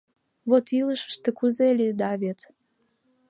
Вот илышыште кузе лиеда вет!